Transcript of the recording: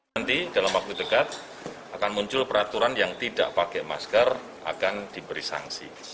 nanti dalam waktu dekat akan muncul peraturan yang tidak pakai masker akan diberi sanksi